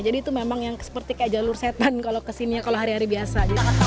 jadi itu memang yang seperti kayak jalur setan kalau ke sini kalau hari hari biasa